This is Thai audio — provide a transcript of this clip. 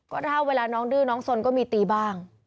ก็ถ้าเวลาน้องดื้อน้องสนก็มีตีบ้าง